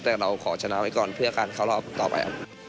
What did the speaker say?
แต่เราขอชนะไว้ก่อนเพื่อการเข้ารอบต่อไปครับ